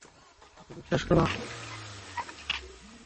ওকে বিশ্বাস করো।